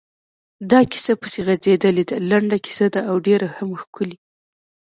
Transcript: دا کیسه پسې غځېدلې ده، لنډه کیسه ده او ډېره هم ښکلې.